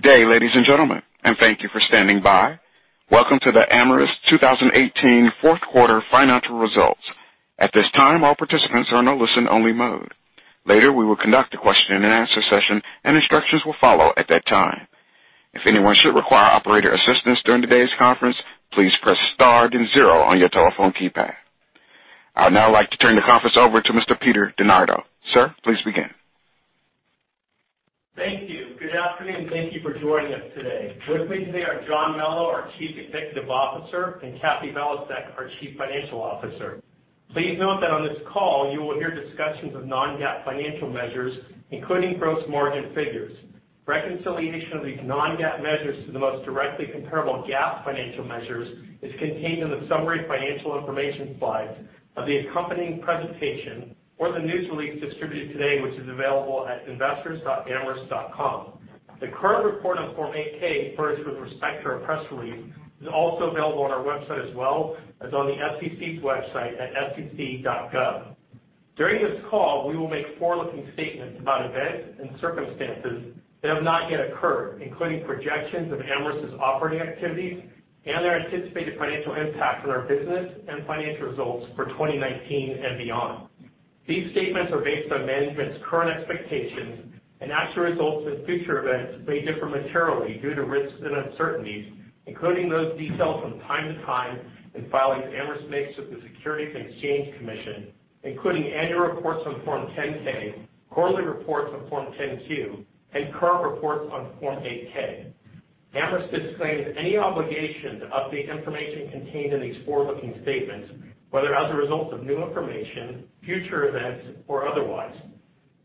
Good day, ladies and gentlemen, and thank you for standing by. Welcome to the Amyris 2018 Fourth Quarter Financial Results. At this time, all participants are in a listen-only mode. Later, we will conduct a question-and-answer session, and instructions will follow at that time. If anyone should require operator assistance during today's conference, please press star then zero on your telephone keypad. I'd now like to turn the conference over to Mr. Peter DeNardo. Sir, please begin. Thank you. Good afternoon, and thank you for joining us today. With me today are John Melo, our Chief Executive Officer, and Kathleen Valiasek, our Chief Financial Officer. Please note that on this call, you will hear discussions of non-GAAP financial measures, including gross margin figures. Reconciliation of these non-GAAP measures to the most directly comparable GAAP financial measures is contained in the summary financial information slides of the accompanying presentation or the news release distributed today, which is available at investors.amyris.com. The current report on Form 8-K, first with respect to our press release, is also available on our website as well as on the SEC's website at sec.gov. During this call, we will make forward-looking statements about events and circumstances that have not yet occurred, including projections of Amyris' operating activities and their anticipated financial impact on our business and financial results for 2019 and beyond. These statements are based on management's current expectations, and actual results and future events may differ materially due to risks and uncertainties, including those detailed from time to time in filings Amyris makes with the Securities and Exchange Commission, including annual reports on Form 10-K, quarterly reports on Form 10-Q, and current reports on Form 8-K. Amyris disclaims any obligation to update information contained in these forward-looking statements, whether as a result of new information, future events, or otherwise.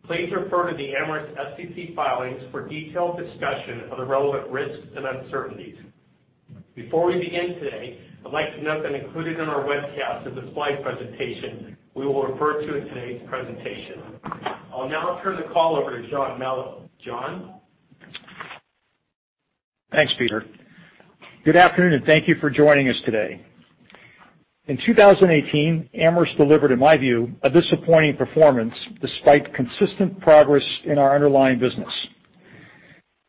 Please refer to the Amyris SEC filings for detailed discussion of the relevant risks and uncertainties. Before we begin today, I'd like to note that included in our webcast is a slide presentation we will refer to in today's presentation. I'll now turn the call over to John Melo. John? Thanks, Peter. Good afternoon, and thank you for joining us today. In 2018, Amyris delivered, in my view, a disappointing performance despite consistent progress in our underlying business.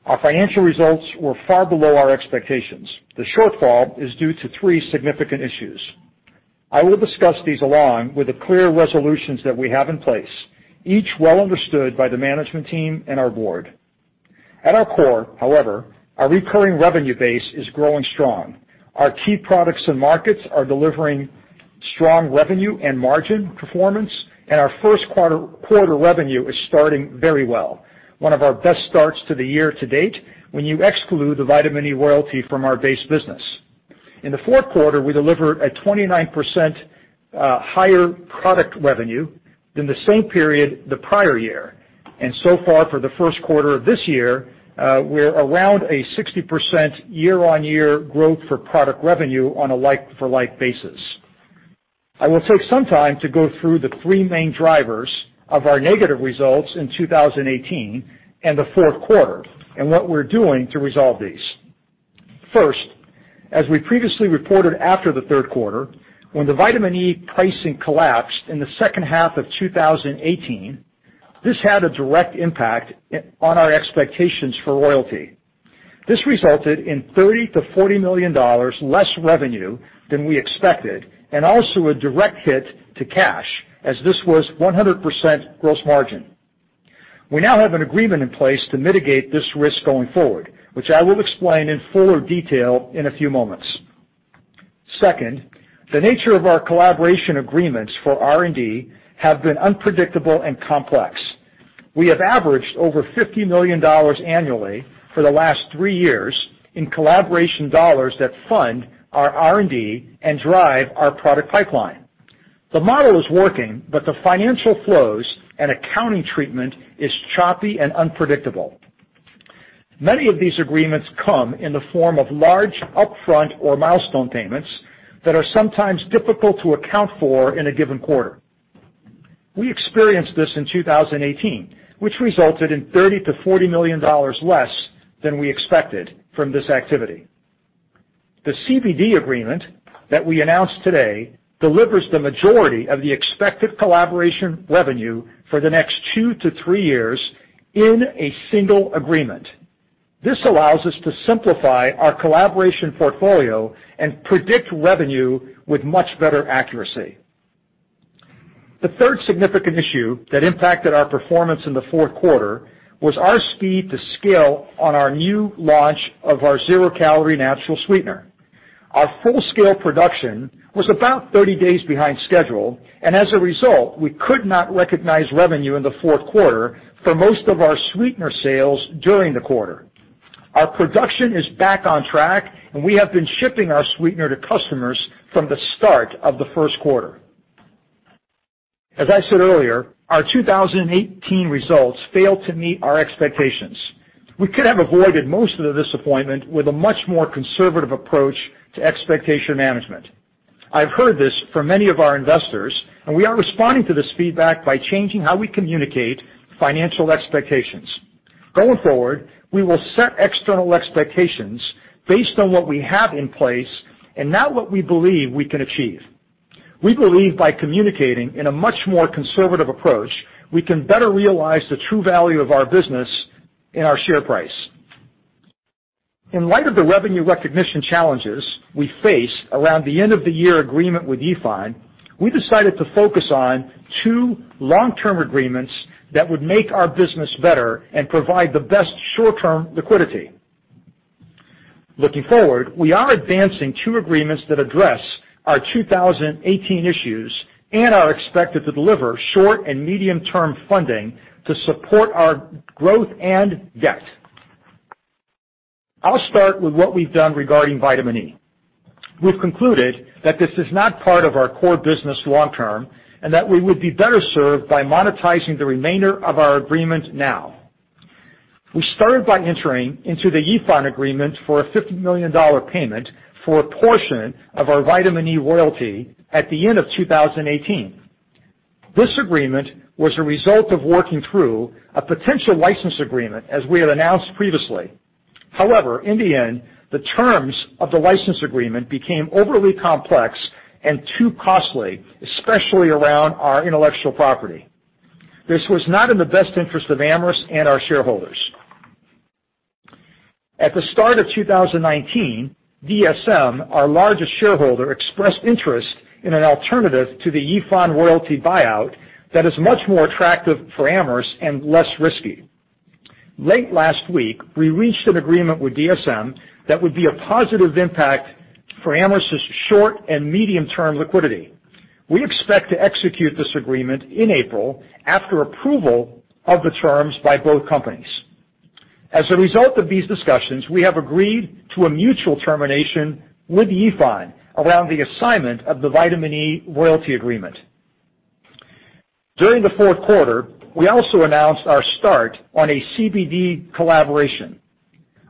Our financial results were far below our expectations. The shortfall is due to three significant issues. I will discuss these along with the clear resolutions that we have in place, each well understood by the management team and our board. At our core, however, our recurring revenue base is growing strong. Our key products and markets are delivering strong revenue and margin performance, and our first quarter revenue is starting very well, one of our best starts to the year to date when you exclude the Vitamin E royalty from our base business. In the fourth quarter, we delivered a 29% higher product revenue than the same period the prior year. And so far, for the first quarter of this year, we're around a 60% year-on-year growth for product revenue on a like-for-like basis. I will take some time to go through the three main drivers of our negative results in 2018 and the fourth quarter and what we're doing to resolve these. First, as we previously reported after the third quarter, when the Vitamin E pricing collapsed in the second half of 2018, this had a direct impact on our expectations for royalty. This resulted in $30-$40 million less revenue than we expected and also a direct hit to cash, as this was 100% gross margin. We now have an agreement in place to mitigate this risk going forward, which I will explain in fuller detail in a few moments. Second, the nature of our collaboration agreements for R&D has been unpredictable and complex. We have averaged over $50 million annually for the last three years in collaboration dollars that fund our R&D and drive our product pipeline. The model is working, but the financial flows and accounting treatment are choppy and unpredictable. Many of these agreements come in the form of large upfront or milestone payments that are sometimes difficult to account for in a given quarter. We experienced this in 2018, which resulted in $30-$40 million less than we expected from this activity. The CBD agreement that we announced today delivers the majority of the expected collaboration revenue for the next two to three years in a single agreement. This allows us to simplify our collaboration portfolio and predict revenue with much better accuracy. The third significant issue that impacted our performance in the fourth quarter was our speed to scale on our new launch of our zero-calorie natural sweetener. Our full-scale production was about 30 days behind schedule, and as a result, we could not recognize revenue in the fourth quarter for most of our sweetener sales during the quarter. Our production is back on track, and we have been shipping our sweetener to customers from the start of the first quarter. As I said earlier, our 2018 results failed to meet our expectations. We could have avoided most of the disappointment with a much more conservative approach to expectation management. I've heard this from many of our investors, and we are responding to this feedback by changing how we communicate financial expectations. Going forward, we will set external expectations based on what we have in place and not what we believe we can achieve. We believe by communicating in a much more conservative approach, we can better realize the true value of our business in our share price. In light of the revenue recognition challenges we faced around the end-of-the-year agreement with EFIN, we decided to focus on two long-term agreements that would make our business better and provide the best short-term liquidity. Looking forward, we are advancing two agreements that address our 2018 issues and are expected to deliver short and medium-term funding to support our growth and debt. I'll start with what we've done regarding vitamin E. We've concluded that this is not part of our core business long-term and that we would be better served by monetizing the remainder of our agreement now. We started by entering into the EFIN agreement for a $50 million payment for a portion of our vitamin E royalty at the end of 2018. This agreement was a result of working through a potential license agreement, as we had announced previously. However, in the end, the terms of the license agreement became overly complex and too costly, especially around our intellectual property. This was not in the best interest of Amyris and our shareholders. At the start of 2019, DSM, our largest shareholder, expressed interest in an alternative to the EFIN royalty buyout that is much more attractive for Amyris and less risky. Late last week, we reached an agreement with DSM that would be a positive impact for Amyris' short and medium-term liquidity. We expect to execute this agreement in April after approval of the terms by both companies. As a result of these discussions, we have agreed to a mutual termination with EFIN around the assignment of the vitamin E royalty agreement. During the fourth quarter, we also announced our start on a CBD collaboration.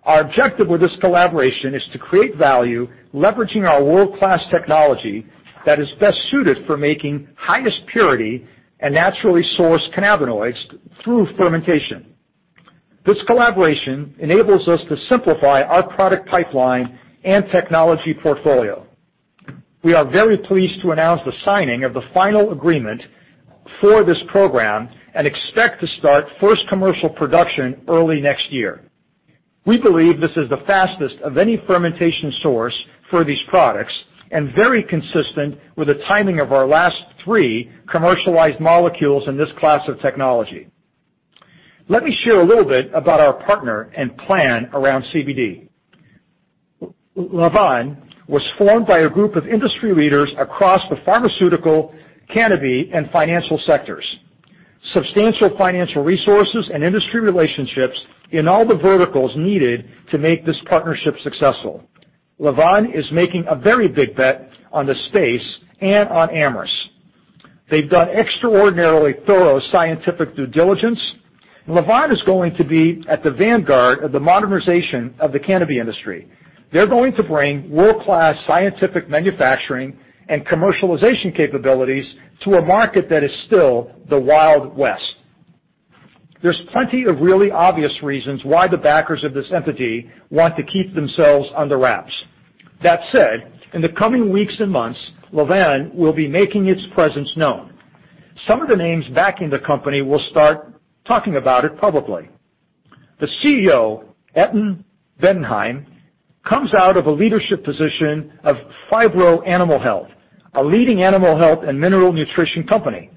Our objective with this collaboration is to create value, leveraging our world-class technology that is best suited for making highest purity and naturally sourced cannabinoids through fermentation. This collaboration enables us to simplify our product pipeline and technology portfolio. We are very pleased to announce the signing of the final agreement for this program and expect to start first commercial production early next year. We believe this is the fastest of any fermentation source for these products and very consistent with the timing of our last three commercialized molecules in this class of technology. Let me share a little bit about our partner and plan around CBD. Lavvan was formed by a group of industry leaders across the pharmaceutical, cannabis, and financial sectors. Substantial financial resources and industry relationships in all the verticals needed to make this partnership successful. Lavvan is making a very big bet on the space and on Amyris. They've done extraordinarily thorough scientific due diligence, and Lavvan is going to be at the vanguard of the modernization of the cannabis industry. They're going to bring world-class scientific manufacturing and commercialization capabilities to a market that is still the Wild West. There's plenty of really obvious reasons why the backers of this entity want to keep themselves under wraps. That said, in the coming weeks and months, Lavvan will be making its presence known. Some of the names backing the company will start talking about it publicly. The CEO, Etan Bendheim, comes out of a leadership position of Phibro Animal Health, a leading animal health and mineral nutrition company.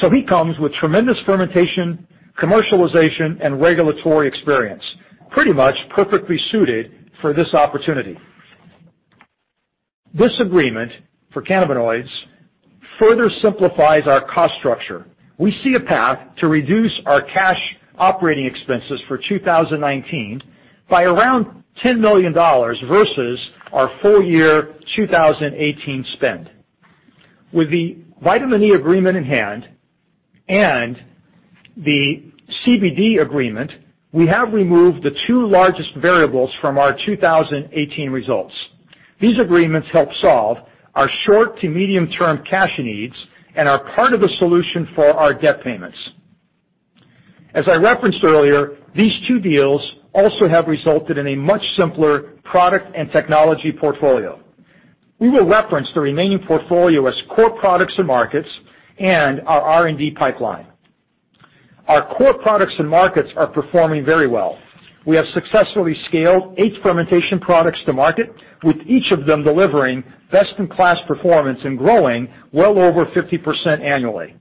So he comes with tremendous fermentation, commercialization, and regulatory experience, pretty much perfectly suited for this opportunity. This agreement for cannabinoids further simplifies our cost structure. We see a path to reduce our cash operating expenses for 2019 by around $10 million versus our full-year 2018 spend. With the Vitamin E agreement in hand and the CBD agreement, we have removed the two largest variables from our 2018 results. These agreements help solve our short to medium-term cash needs and are part of the solution for our debt payments. As I referenced earlier, these two deals also have resulted in a much simpler product and technology portfolio. We will reference the remaining portfolio as core products and markets and our R&D pipeline. Our core products and markets are performing very well. We have successfully scaled eight fermentation products to market, with each of them delivering best-in-class performance and growing well over 50% annually.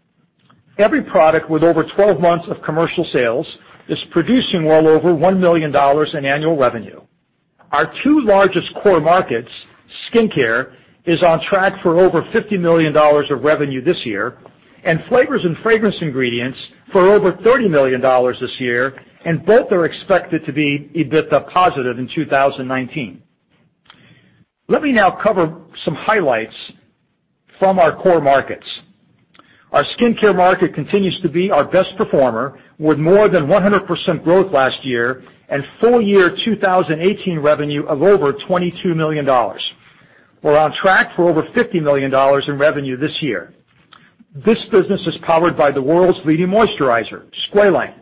Every product with over 12 months of commercial sales is producing well over $1 million in annual revenue. Our two largest core markets, skincare, is on track for over $50 million of revenue this year, and flavors and fragrance ingredients for over $30 million this year, and both are expected to be EBITDA positive in 2019. Let me now cover some highlights from our core markets. Our skincare market continues to be our best performer, with more than 100% growth last year and full-year 2018 revenue of over $22 million. We're on track for over $50 million in revenue this year. This business is powered by the world's leading moisturizer, Squalane.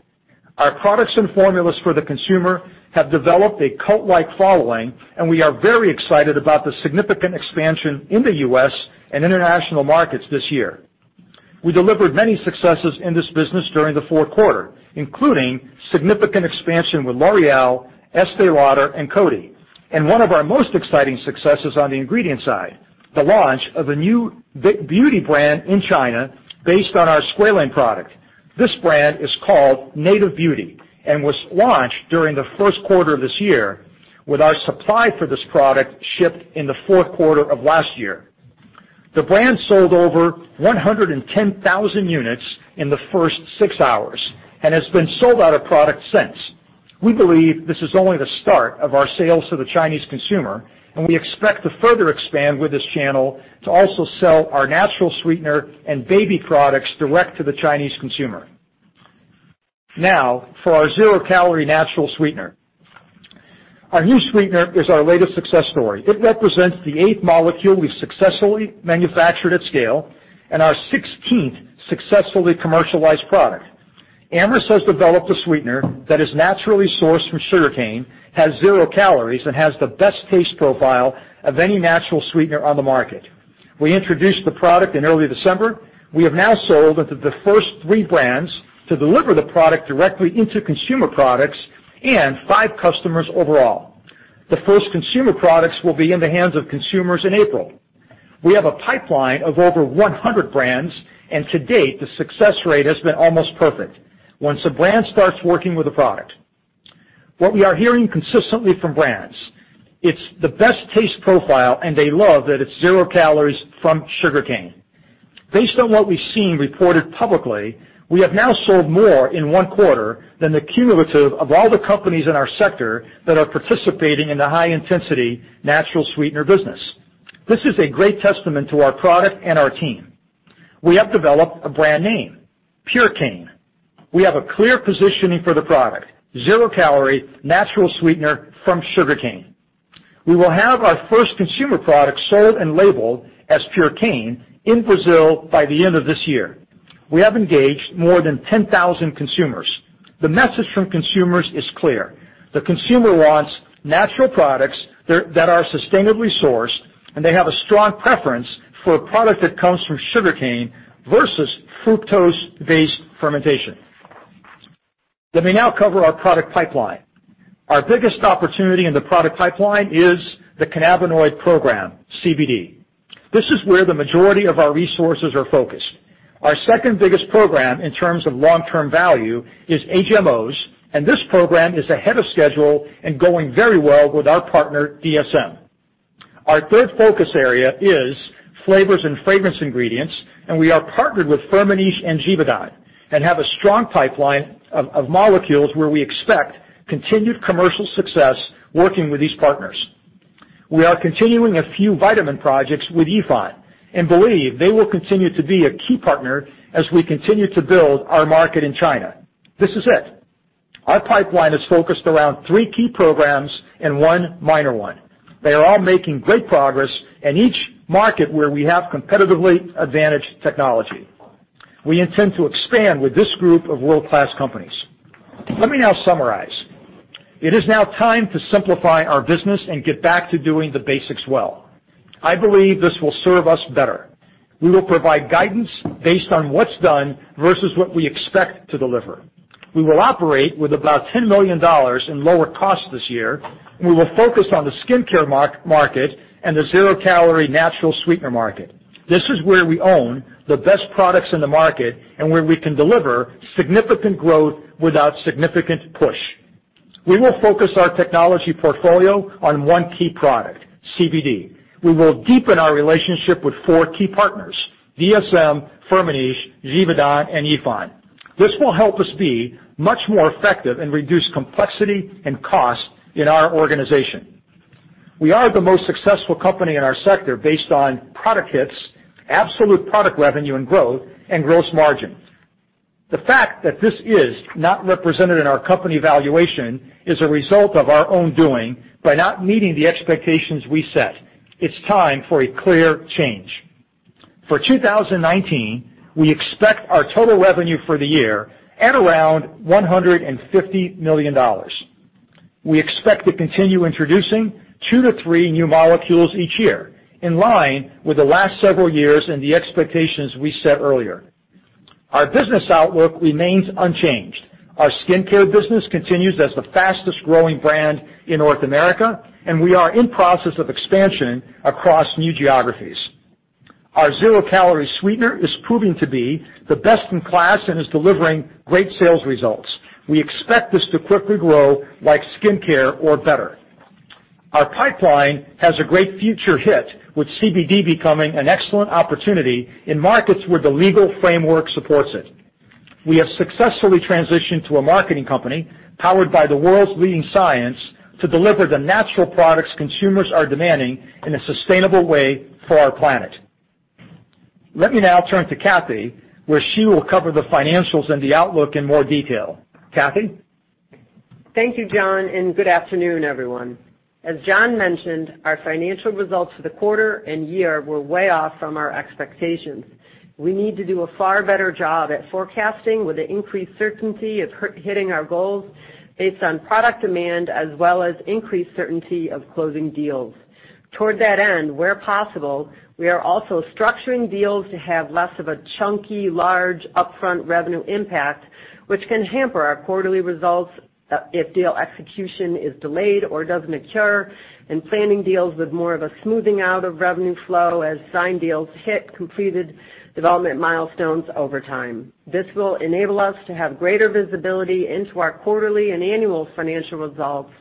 Our products and formulas for the consumer have developed a cult-like following, and we are very excited about the significant expansion in the U.S. and international markets this year. We delivered many successes in this business during the fourth quarter, including significant expansion with L'Oréal, Estée Lauder, and Coty, and one of our most exciting successes on the ingredient side, the launch of a new beauty brand in China based on our Squalane product. This brand is called Native Beauty and was launched during the first quarter of this year, with our supply for this product shipped in the fourth quarter of last year. The brand sold over 110,000 units in the first six hours and has been sold out of product since. We believe this is only the start of our sales to the Chinese consumer, and we expect to further expand with this channel to also sell our natural sweetener and baby products direct to the Chinese consumer. Now, for our zero-calorie natural sweetener. Our new sweetener is our latest success story. It represents the eighth molecule we've successfully manufactured at scale and our 16th successfully commercialized product. Amyris has developed a sweetener that is naturally sourced from sugarcane, has zero calories, and has the best taste profile of any natural sweetener on the market. We introduced the product in early December. We have now sold into the first three brands to deliver the product directly into consumer products and five customers overall. The first consumer products will be in the hands of consumers in April. We have a pipeline of over 100 brands, and to date, the success rate has been almost perfect once a brand starts working with the product. What we are hearing consistently from brands, it's the best taste profile, and they love that it's zero calories from sugarcane. Based on what we've seen reported publicly, we have now sold more in one quarter than the cumulative of all the companies in our sector that are participating in the high-intensity natural sweetener business. This is a great testament to our product and our team. We have developed a brand name, Purecane. We have a clear positioning for the product: zero-calorie natural sweetener from sugarcane. We will have our first consumer product sold and labeled as Purecane in Brazil by the end of this year. We have engaged more than 10,000 consumers. The message from consumers is clear. The consumer wants natural products that are sustainably sourced, and they have a strong preference for a product that comes from sugarcane versus fructose-based fermentation. Let me now cover our product pipeline. Our biggest opportunity in the product pipeline is the cannabinoid program, CBD. This is where the majority of our resources are focused. Our second biggest program in terms of long-term value is HMOs, and this program is ahead of schedule and going very well with our partner, DSM. Our third focus area is flavors and fragrance ingredients, and we are partnered with Firmenich and Givaudan and have a strong pipeline of molecules where we expect continued commercial success working with these partners. We are continuing a few vitamin projects with Yifan and believe they will continue to be a key partner as we continue to build our market in China. This is it. Our pipeline is focused around three key programs and one minor one. They are all making great progress in each market where we have competitively advantaged technology. We intend to expand with this group of world-class companies. Let me now summarize. It is now time to simplify our business and get back to doing the basics well. I believe this will serve us better. We will provide guidance based on what's done versus what we expect to deliver. We will operate with about $10 million in lower costs this year, and we will focus on the skincare market and the zero-calorie natural sweetener market. This is where we own the best products in the market and where we can deliver significant growth without significant push. We will focus our technology portfolio on one key product, CBD. We will deepen our relationship with four key partners: DSM, Firmenich, Givaudan, and Yifan. This will help us be much more effective and reduce complexity and cost in our organization. We are the most successful company in our sector based on product hits, absolute product revenue and growth, and gross margin. The fact that this is not represented in our company valuation is a result of our own doing by not meeting the expectations we set. It's time for a clear change. For 2019, we expect our total revenue for the year at around $150 million. We expect to continue introducing two to three new molecules each year in line with the last several years and the expectations we set earlier. Our business outlook remains unchanged. Our skincare business continues as the fastest-growing brand in North America, and we are in process of expansion across new geographies. Our zero-calorie sweetener is proving to be the best in class and is delivering great sales results. We expect this to quickly grow like skincare or better. Our pipeline has a great future hit, with CBD becoming an excellent opportunity in markets where the legal framework supports it. We have successfully transitioned to a marketing company powered by the world's leading science to deliver the natural products consumers are demanding in a sustainable way for our planet. Let me now turn to Kathy, where she will cover the financials and the outlook in more detail. Kathleen. Thank you, John, and good afternoon, everyone. As John mentioned, our financial results for the quarter and year were way off from our expectations. We need to do a far better job at forecasting with the increased certainty of hitting our goals based on product demand as well as increased certainty of closing deals. Toward that end, where possible, we are also structuring deals to have less of a chunky, large upfront revenue impact, which can hamper our quarterly results if deal execution is delayed or doesn't occur, and planning deals with more of a smoothing out of revenue flow as signed deals hit completed development milestones over time. This will enable us to have greater visibility into our quarterly and annual financial results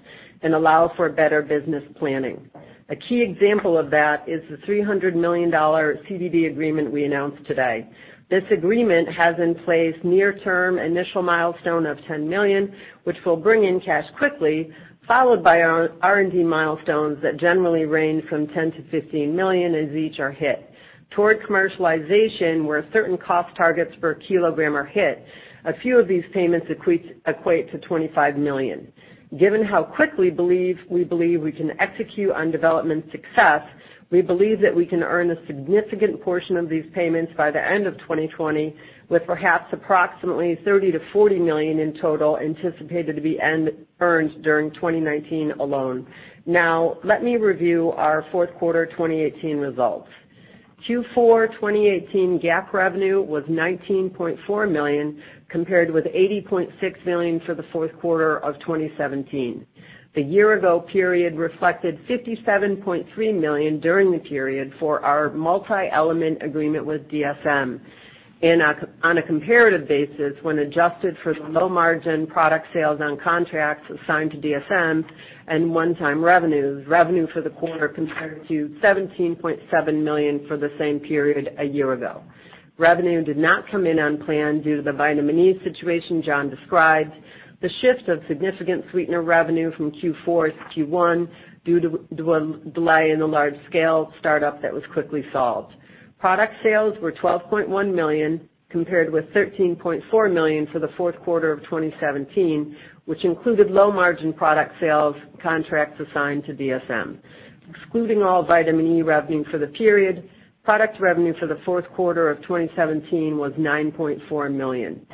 and allow for better business planning. A key example of that is the $300 million CBD agreement we announced today. This agreement has in place near-term initial milestone of $10 million, which will bring in cash quickly, followed by R&D milestones that generally range from $10-$15 million as each are hit. Toward commercialization, where certain cost targets per kilogram are hit, a few of these payments equate to $25 million. Given how quickly we believe we can execute on development success, we believe that we can earn a significant portion of these payments by the end of 2020, with perhaps approximately $30-$40 million in total anticipated to be earned during 2019 alone. Now, let me review our fourth quarter 2018 results. Q4 2018 GAAP revenue was $19.4 million compared with $80.6 million for the fourth quarter of 2017. The year-ago period reflected $57.3 million during the period for our multi-element agreement with DSM. On a comparative basis, when adjusted for the low-margin product sales on contracts assigned to DSM and one-time revenues, revenue for the quarter compared to $17.7 million for the same period a year ago. Revenue did not come in on plan due to the Vitamin E situation John described, the shift of significant sweetener revenue from Q4 to Q1 due to a delay in the large-scale startup that was quickly solved. Product sales were $12.1 million compared with $13.4 million for the fourth quarter of 2017, which included low-margin product sales contracts assigned to DSM. Excluding all Vitamin E revenue for the period, product revenue for the fourth quarter of 2017 was $9.4 million.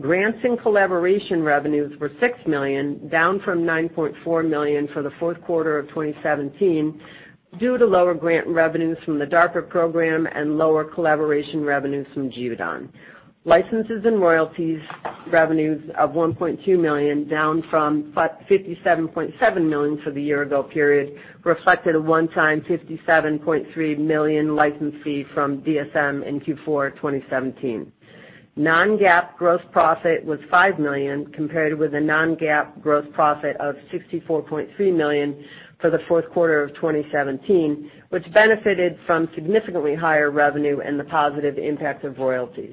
Grants and collaboration revenues were $6 million, down from $9.4 million for the fourth quarter of 2017 due to lower grant revenues from the DARPA program and lower collaboration revenues from Givaudan. Licenses and royalties revenues of $1.2 million, down from $57.7 million for the year-ago period, reflected a one-time $57.3 million license fee from DSM in Q4 2017. Non-GAAP gross profit was $5 million compared with a non-GAAP gross profit of $64.3 million for the fourth quarter of 2017, which benefited from significantly higher revenue and the positive impact of royalties.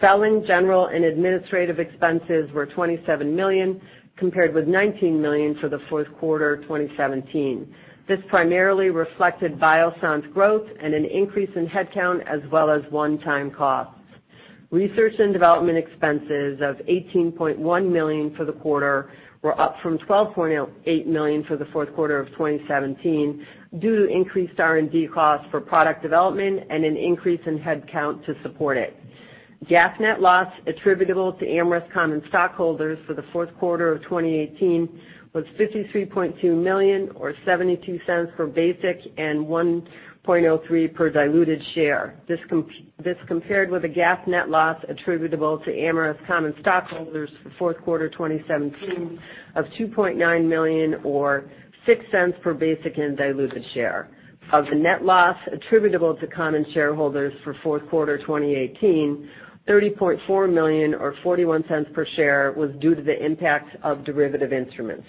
Selling, general, and administrative expenses were $27 million compared with $19 million for the fourth quarter 2017. This primarily reflected Biossance's growth and an increase in headcount as well as one-time costs. Research and development expenses of $18.1 million for the quarter were up from $12.8 million for the fourth quarter of 2017 due to increased R&D costs for product development and an increase in headcount to support it. GAAP net loss attributable to Amyris Common Stockholders for the fourth quarter of 2018 was $53.2 million, or $0.72 per basic and $1.03 per diluted share. This compared with a GAAP net loss attributable to Amyris Common Stockholders for fourth quarter 2017 of $2.9 million, or $0.06 per basic and diluted share. Of the net loss attributable to common shareholders for fourth quarter 2018, $30.4 million, or $0.41 per share, was due to the impact of derivative instruments.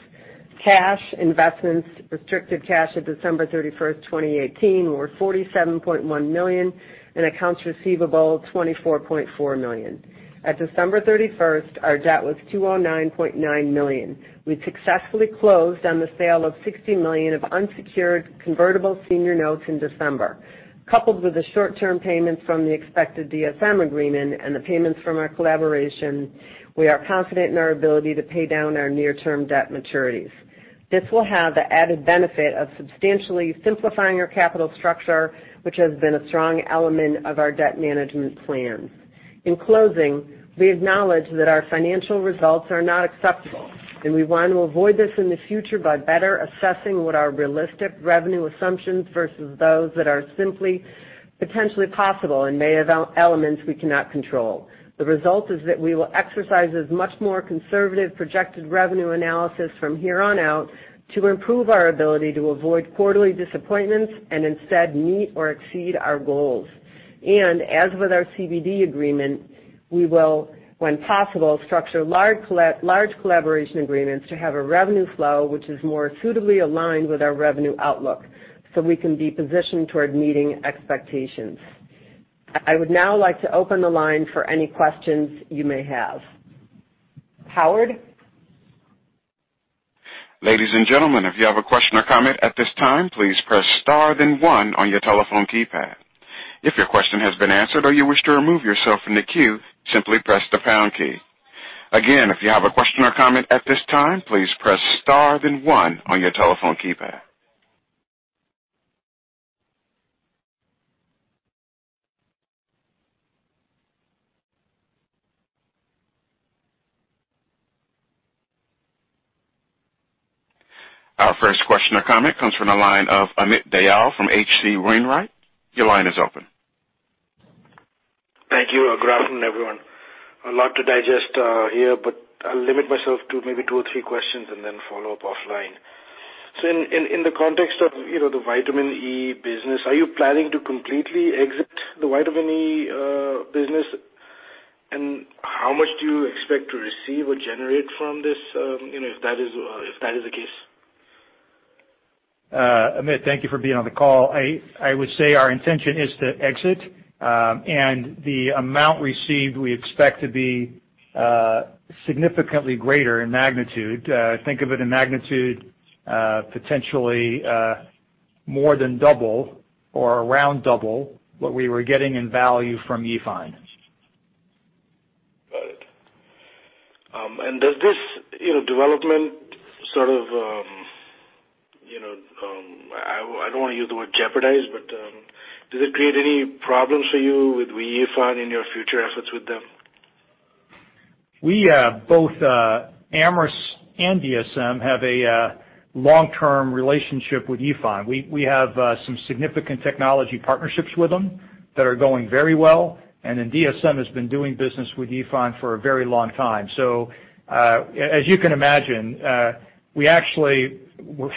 Cash investments, restricted cash at December 31, 2018, were $47.1 million and accounts receivable $24.4 million. At December 31, our debt was $209.9 million. We successfully closed on the sale of $60 million of unsecured convertible senior notes in December. Coupled with the short-term payments from the expected DSM agreement and the payments from our collaboration, we are confident in our ability to pay down our near-term debt maturities. This will have the added benefit of substantially simplifying our capital structure, which has been a strong element of our debt management plan. In closing, we acknowledge that our financial results are not acceptable, and we want to avoid this in the future by better assessing what are realistic revenue assumptions versus those that are simply potentially possible and may have elements we cannot control. The result is that we will exercise as much more conservative projected revenue analysis from here on out to improve our ability to avoid quarterly disappointments and instead meet or exceed our goals, and as with our CBD agreement, we will, when possible, structure large collaboration agreements to have a revenue flow which is more suitably aligned with our revenue outlook so we can be positioned toward meeting expectations. I would now like to open the line for any questions you may have. Howard. Ladies and gentlemen, if you have a question or comment at this time, please press star then one on your telephone keypad. If your question has been answered or you wish to remove yourself from the queue, simply press the pound key. Again, if you have a question or comment at this time, please press star then one on your telephone keypad. Our first question or comment comes from the line of Amit Dayal from H.C. Wainwright. Your line is open. Thank you. Good afternoon, everyone. A lot to digest here, but I'll limit myself to maybe two or three questions and then follow up offline. So in the context of the vitamin E business, are you planning to completely exit the vitamin E business? And how much do you expect to receive or generate from this if that is the case? Amit, thank you for being on the call. I would say our intention is to exit, and the amount received we expect to be significantly greater in magnitude. Think of it in magnitude potentially more than double or around double what we were getting in value from EFIN. Got it. And does this development sort of, I don't want to use the word jeopardize, but does it create any problems for you with EFIN in your future efforts with them? We both, Amyris and DSM, have a long-term relationship with EFIN. We have some significant technology partnerships with them that are going very well, and then DSM has been doing business with EFIN for a very long time. So as you can imagine, we actually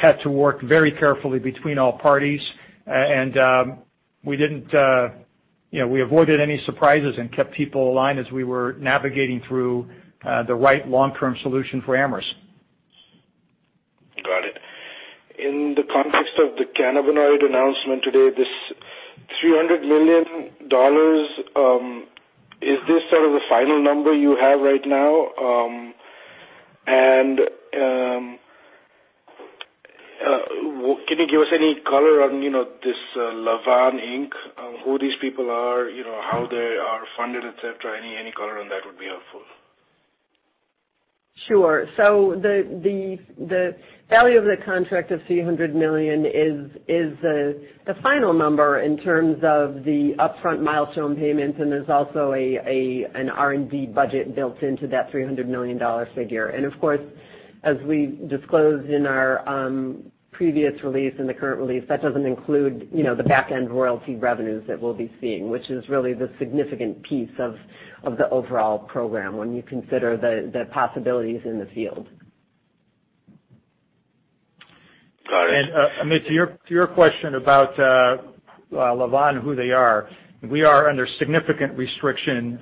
had to work very carefully between all parties, and we didn't, we avoided any surprises and kept people aligned as we were navigating through the right long-term solution for Amyris. Got it. In the context of the cannabinoid announcement today, this $300 million, is this sort of the final number you have right now? Can you give us any color on this Lavvan, Inc., who these people are, how they are funded, etc.? Any color on that would be helpful. Sure. The value of the contract of $300 million is the final number in terms of the upfront milestone payments, and there's also an R&D budget built into that $300 million figure. Of course, as we disclosed in our previous release and the current release, that doesn't include the back-end royalty revenues that we'll be seeing, which is really the significant piece of the overall program when you consider the possibilities in the field. Got it. Amit, to your question about Lavvan and who they are, we are under significant restriction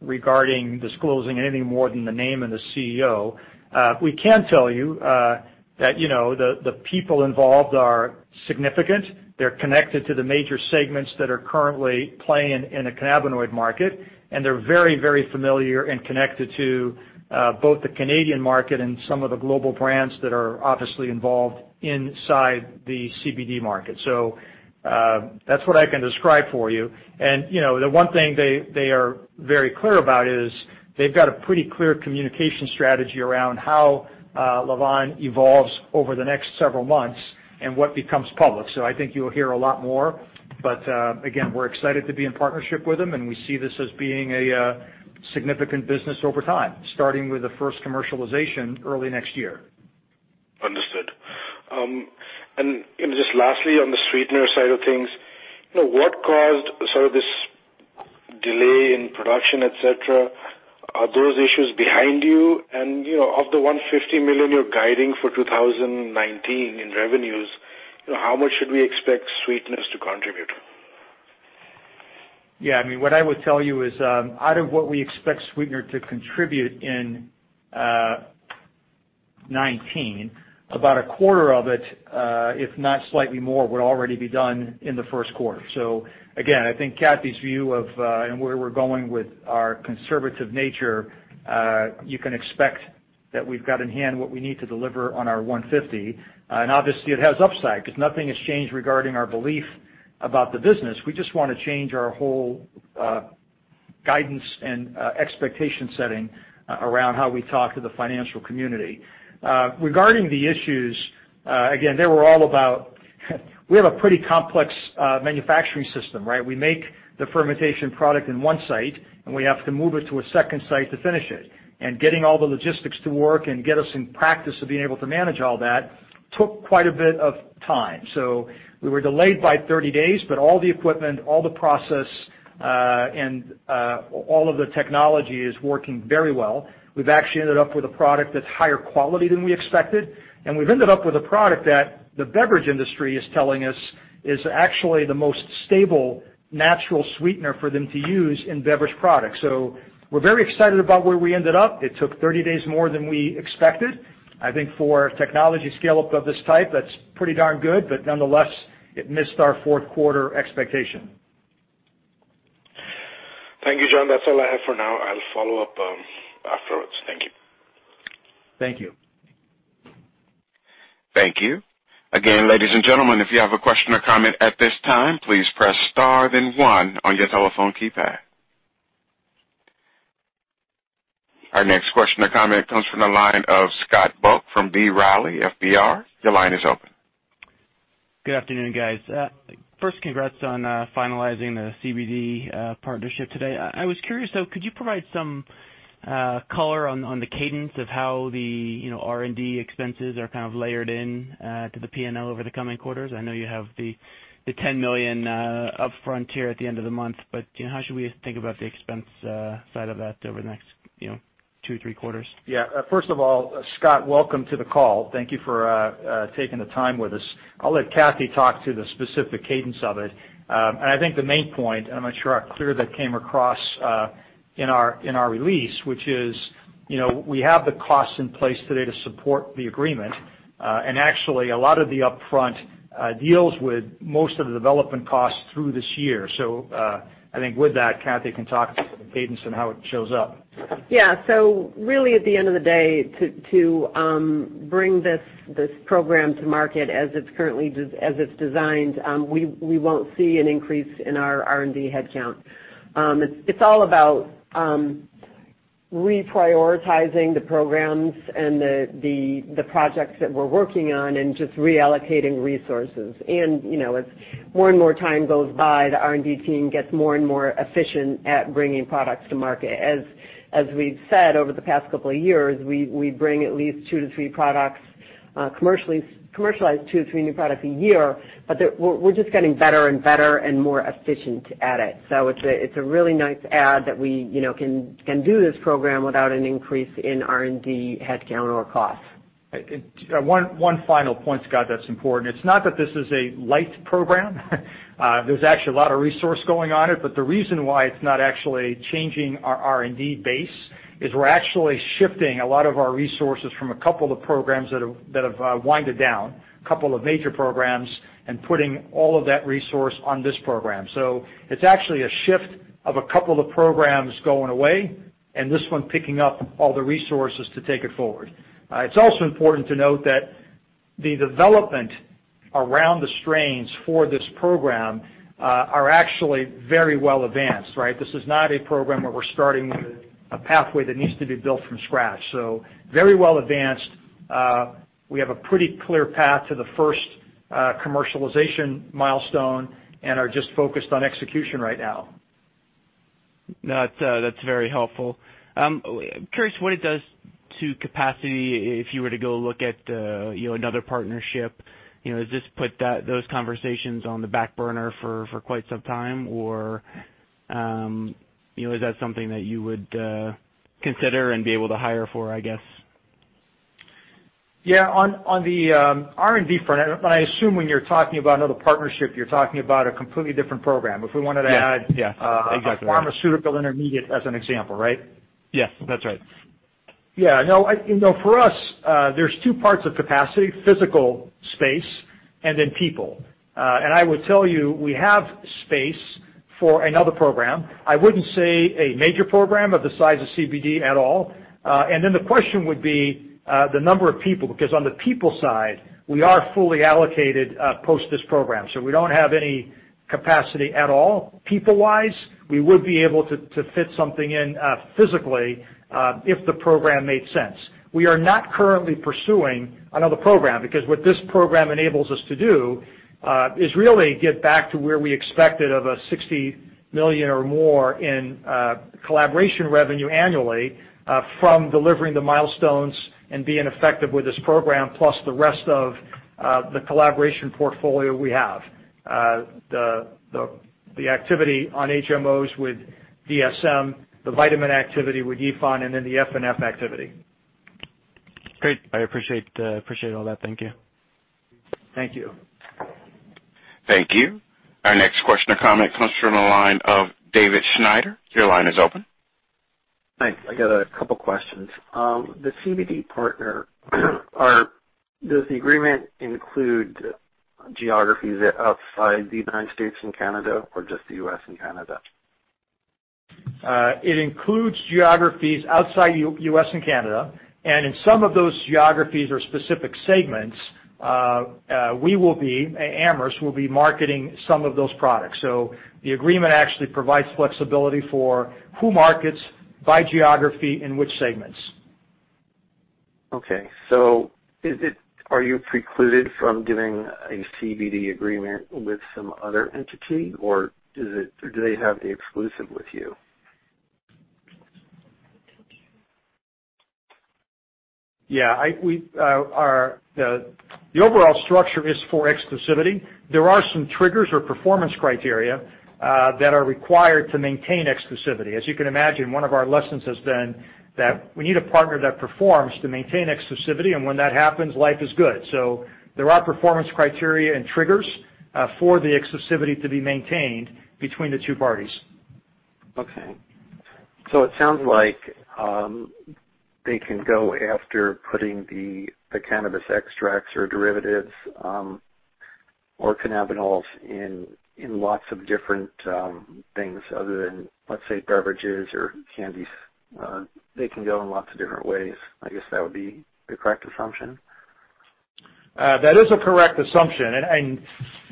regarding disclosing anything more than the name and the CEO. We can tell you that the people involved are significant. They're connected to the major segments that are currently playing in the cannabinoid market, and they're very, very familiar and connected to both the Canadian market and some of the global brands that are obviously involved inside the CBD market. So that's what I can describe for you. And the one thing they are very clear about is they've got a pretty clear communication strategy around how Lavvan evolves over the next several months and what becomes public. So I think you'll hear a lot more, but again, we're excited to be in partnership with them, and we see this as being a significant business over time, starting with the first commercialization early next year. Understood. And just lastly, on the sweetener side of things, what caused sort of this delay in production, etc.? Are those issues behind you? Of the $150 million you're guiding for 2019 in revenues, how much should we expect sweeteners to contribute? Yeah. I mean, what I would tell you is out of what we expect sweetener to contribute in 2019, about a quarter of it, if not slightly more, would already be done in the first quarter. So again, I think Kathy's view of where we're going with our conservative nature, you can expect that we've got in hand what we need to deliver on our $150. And obviously, it has upside because nothing has changed regarding our belief about the business. We just want to change our whole guidance and expectation setting around how we talk to the financial community. Regarding the issues, again, they were all about we have a pretty complex manufacturing system, right? We make the fermentation product in one site, and we have to move it to a second site to finish it. Getting all the logistics to work and get us in practice of being able to manage all that took quite a bit of time. We were delayed by 30 days, but all the equipment, all the process, and all of the technology is working very well. We've actually ended up with a product that's higher quality than we expected, and we've ended up with a product that the beverage industry is telling us is actually the most stable natural sweetener for them to use in beverage products. We're very excited about where we ended up. It took 30 days more than we expected. I think for technology scale-up of this type, that's pretty darn good, but nonetheless, it missed our fourth quarter expectation. Thank you, John. That's all I have for now. I'll follow up afterwards. Thank you. Thank you. Thank you. Again, ladies and gentlemen, if you have a question or comment at this time, please press star then one on your telephone keypad. Our next question or comment comes from the line of Scott Buck from B. Riley FBR. Your line is open. Good afternoon, guys. First, congrats on finalizing the CBD partnership today. I was curious, though, could you provide some color on the cadence of how the R&D expenses are kind of layered in to the P&L over the coming quarters? I know you have the $10 million upfront here at the end of the month, but how should we think about the expense side of that over the next two, three quarters? Yeah. First of all, Scott, welcome to the call. Thank you for taking the time with us. I'll let Kathy talk to the specific cadence of it. And I think the main point, and I'm not sure how clear that came across in our release, which is we have the costs in place today to support the agreement. And actually, a lot of the upfront deals with most of the development costs through this year. So I think with that, Kathy can talk to the cadence and how it shows up. Yeah. So really, at the end of the day, to bring this program to market as it's designed, we won't see an increase in our R&D headcount. It's all about reprioritizing the programs and the projects that we're working on and just reallocating resources. And as more and more time goes by, the R&D team gets more and more efficient at bringing products to market. As we've said over the past couple of years, we bring at least two to three products, commercialize two to three new products a year, but we're just getting better and better and more efficient at it. So it's a really nice add that we can do this program without an increase in R&D headcount or cost. One final point, Scott, that's important. It's not that this is a light program. There's actually a lot of resource going on it, but the reason why it's not actually changing our R&D base is we're actually shifting a lot of our resources from a couple of the programs that have wound down, a couple of major programs, and putting all of that resource on this program. So it's actually a shift of a couple of programs going away and this one picking up all the resources to take it forward. It's also important to note that the development around the strains for this program are actually very well advanced, right? This is not a program where we're starting with a pathway that needs to be built from scratch. So very well advanced. We have a pretty clear path to the first commercialization milestone and are just focused on execution right now. That's very helpful. Curious what it does to capacity if you were to go look at another partnership. Has this put those conversations on the back burner for quite some time, or is that something that you would consider and be able to hire for, I guess? Yeah. On the R&D front, I assume when you're talking about another partnership, you're talking about a completely different program. If we wanted to add a pharmaceutical intermediate as an example, right? Yes. That's right. Yeah. No, for us, there's two parts of capacity: physical space and then people. And I would tell you we have space for another program. I wouldn't say a major program of the size of CBD at all. And then the question would be the number of people because on the people side, we are fully allocated post this program. So we don't have any capacity at all. People-wise, we would be able to fit something in physically if the program made sense. We are not currently pursuing another program because what this program enables us to do is really get back to where we expected of $60 million or more in collaboration revenue annually from delivering the milestones and being effective with this program, plus the rest of the collaboration portfolio we have: the activity on HMOs with DSM, the vitamin activity with EFIN, and then the F&F activity. Great. I appreciate all that. Thank you. Thank you. Thank you. Our next question or comment comes from the line of David Schneider. Your line is open. Hi. I got a couple of questions. The CBD partner, does the agreement include geographies outside the United States and Canada or just the US and Canada? It includes geographies outside the US and Canada. And in some of those geographies or specific segments, Amyris will be marketing some of those products. So the agreement actually provides flexibility for who markets by geography in which segments. Okay. So are you precluded from doing a CBD agreement with some other entity, or do they have the exclusive with you? Yeah. The overall structure is for exclusivity. There are some triggers or performance criteria that are required to maintain exclusivity. As you can imagine, one of our lessons has been that we need a partner that performs to maintain exclusivity, and when that happens, life is good. So there are performance criteria and triggers for the exclusivity to be maintained between the two parties. Okay. So it sounds like they can go after putting the cannabis extracts or derivatives or cannabinoids in lots of different things other than, let's say, beverages or candies. They can go in lots of different ways. I guess that would be the correct assumption. That is a correct assumption. And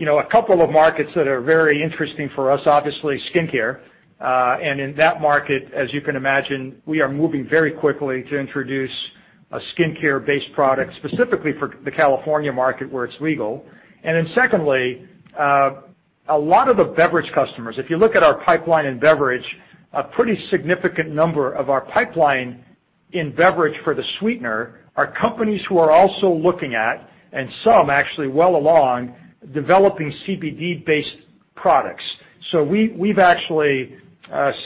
a couple of markets that are very interesting for us, obviously, skincare. And in that market, as you can imagine, we are moving very quickly to introduce a skincare-based product specifically for the California market where it's legal. And then secondly, a lot of the beverage customers, if you look at our pipeline in beverage, a pretty significant number of our pipeline in beverage for the sweetener are companies who are also looking at, and some actually well along, developing CBD-based products. So we've actually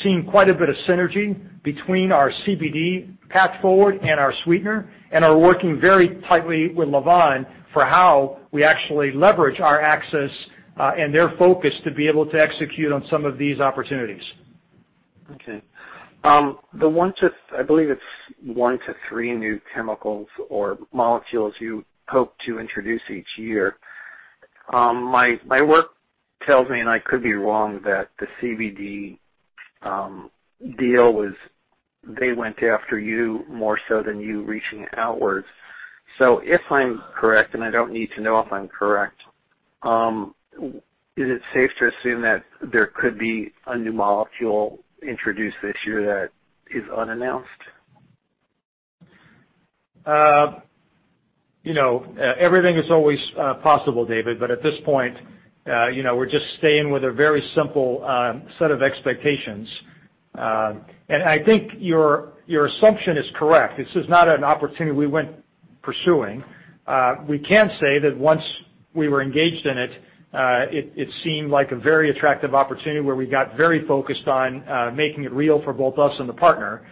seen quite a bit of synergy between our CBD path forward and our sweetener and are working very tightly with Lavvan for how we actually leverage our access and their focus to be able to execute on some of these opportunities. Okay. I believe it's one to three new chemicals or molecules you hope to introduce each year. My work tells me, and I could be wrong, that the CBD deal was they went after you more so than you reaching outwards. So, if I'm correct, and I don't need to know if I'm correct, is it safe to assume that there could be a new molecule introduced this year that is unannounced? Everything is always possible, David, but at this point, we're just staying with a very simple set of expectations. And I think your assumption is correct. This is not an opportunity we went pursuing. We can say that once we were engaged in it, it seemed like a very attractive opportunity where we got very focused on making it real for both us and the partner.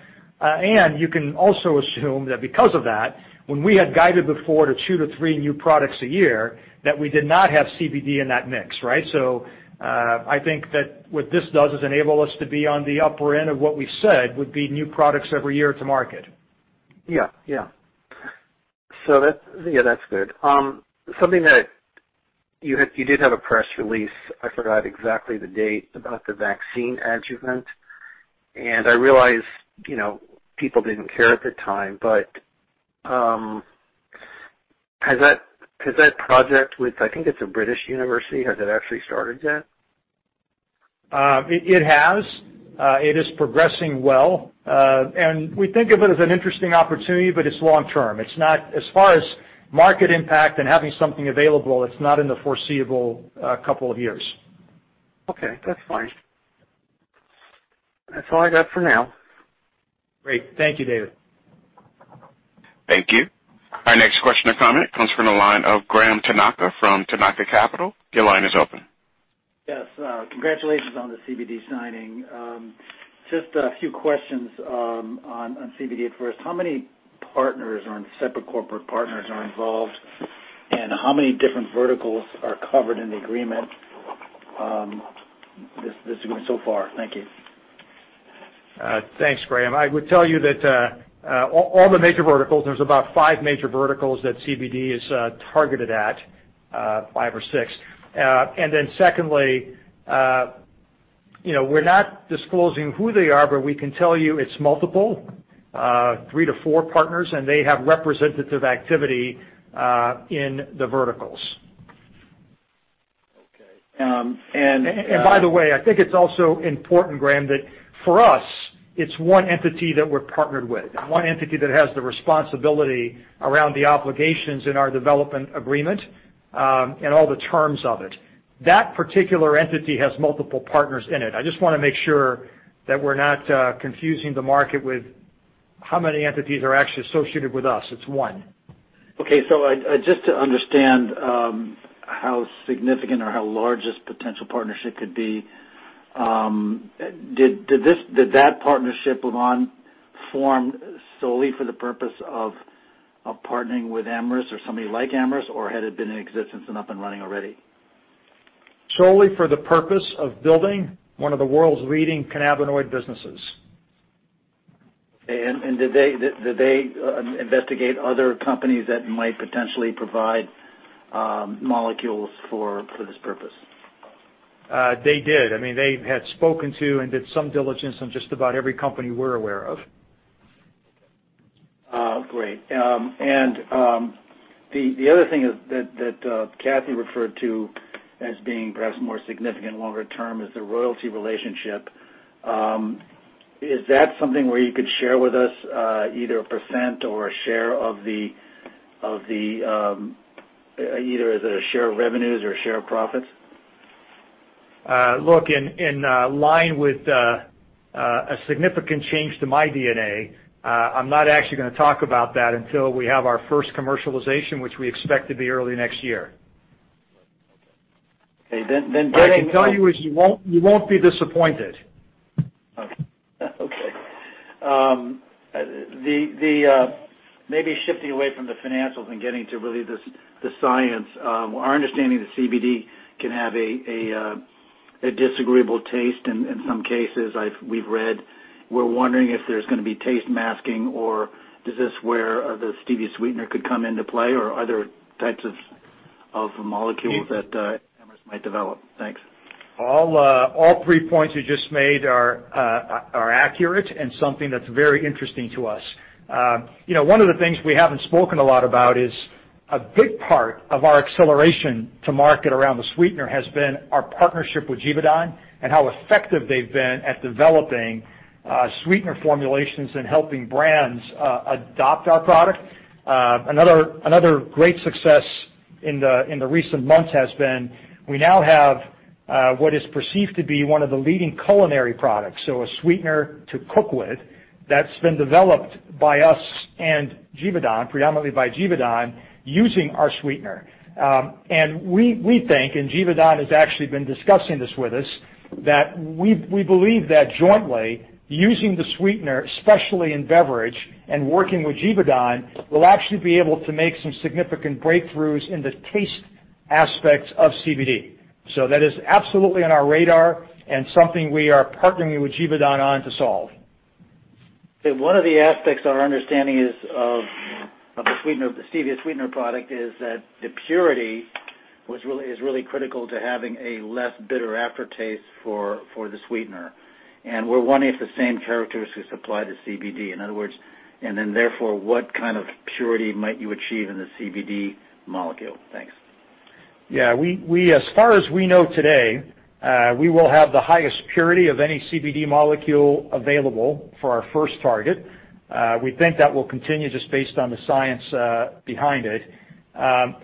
And you can also assume that because of that, when we had guided before to two to three new products a year, that we did not have CBD in that mix, right? So I think that what this does is enable us to be on the upper end of what we said would be new products every year to market. Yeah. Yeah. So yeah, that's good. Something that you did have a press release, I forgot exactly the date, about the vaccine adjuvant. And I realize people didn't care at the time, but has that project with, I think it's a British university, has it actually started yet? It has. It is progressing well. And we think of it as an interesting opportunity, but it's long-term. As far as market impact and having something available, it's not in the foreseeable couple of years. Okay. That's fine. That's all I got for now. Great. Thank you, David. Thank you. Our next question or comment comes from the line of Graham Tanaka from Tanaka Capital. Your line is open. Yes. Congratulations on the CBD signing. Just a few questions on CBD at first. How many partners or separate corporate partners are involved, and how many different verticals are covered in the agreement? This agreement so far. Thank you. Thanks, Graham. I would tell you that all the major verticals, there's about five major verticals that CBD is targeted at, five or six. And then secondly, we're not disclosing who they are, but we can tell you it's multiple, three to four partners, and they have representative activity in the verticals. Okay. And by the way, I think it's also important, Graham, that for us, it's one entity that we're partnered with, one entity that has the responsibility around the obligations in our development agreement and all the terms of it. That particular entity has multiple partners in it. I just want to make sure that we're not confusing the market with how many entities are actually associated with us. It's one. Okay. So just to understand how significant or how large this potential partnership could be, did that partnership with Lavvan form solely for the purpose of partnering with Amyris or somebody like Amyris, or had it been in existence and up and running already? Solely for the purpose of building one of the world's leading cannabinoid businesses. Okay. And did they investigate other companies that might potentially provide molecules for this purpose? They did. I mean, they had spoken to and did some diligence on just about every company we're aware of. Great. And the other thing that Kathy referred to as being perhaps more significant longer term is the royalty relationship. Is that something where you could share with us either a percent or a share of the either as a share of revenues or a share of profits? Look, in line with a significant change to my DNA, I'm not actually going to talk about that until we have our first commercialization, which we expect to be early next year. Okay. Then getting to what I can tell you is you won't be disappointed. Okay. Maybe shifting away from the financials and getting to really the science, our understanding that CBD can have a disagreeable taste in some cases we've read. We're wondering if there's going to be taste masking or is this where the stevia sweetener could come into play or other types of molecules that Amyris might develop. Thanks. All three points you just made are accurate and something that's very interesting to us. One of the things we haven't spoken a lot about is a big part of our acceleration to market around the sweetener has been our partnership with Givaudan and how effective they've been at developing sweetener formulations and helping brands adopt our product. Another great success in the recent months has been we now have what is perceived to be one of the leading culinary products, so a sweetener to cook with that's been developed by us and Givaudan, predominantly by Givaudan, using our sweetener, and we think, and Givaudan has actually been discussing this with us, that we believe that jointly using the sweetener, especially in beverage, and working with Givaudan will actually be able to make some significant breakthroughs in the taste aspects of CBD, so that is absolutely on our radar and something we are partnering with Givaudan on to solve. Okay. One of the aspects of our understanding of the stevia sweetener product is that the purity is really critical to having a less bitter aftertaste for the sweetener. And we're wondering if the same characteristics apply to CBD. In other words, and then therefore, what kind of purity might you achieve in the CBD molecule? Thanks. Yeah. As far as we know today, we will have the highest purity of any CBD molecule available for our first target. We think that will continue just based on the science behind it. And